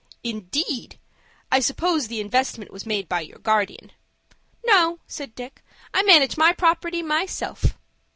"Indeed! I suppose the investment was made by your guardian." "No," said Dick; "I manage my property myself."